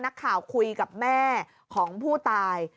นักข่าวคุยกับแม่ของผู้ตาย